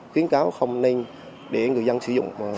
khiến cáo không nên để người dân sử dụng